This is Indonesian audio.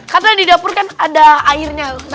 karena di dapur kan ada airnya